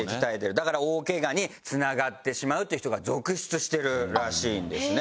だから大ケガに繋がってしまうっていう人が続出しているらしいんですね。